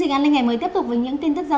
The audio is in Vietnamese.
báo chí phản ánh một số xe ô tô tải